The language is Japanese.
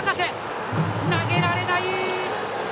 投げられない！